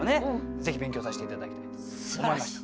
ぜひ勉強させて頂きたいと思いました。